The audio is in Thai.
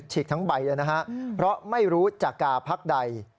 ฉกทั้งใบเลยนะฮะเพราะไม่รู้จากกาพักใด